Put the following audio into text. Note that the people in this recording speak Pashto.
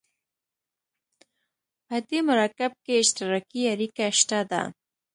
په دې مرکب کې اشتراکي اړیکه شته ده.